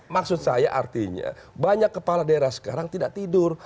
maksud saya artinya banyak kepala daerah sekarang tidak tidur